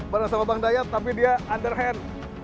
bareng sama bang dayat tapi dia underhand